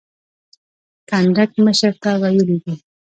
کنډک مشر ته ویلي دي.